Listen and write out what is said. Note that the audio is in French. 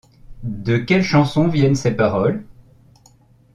De quelle chanson viennent ces paroles ?